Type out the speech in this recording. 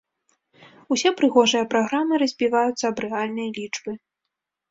Усе прыгожыя праграмы разбіваюцца аб рэальныя лічбы.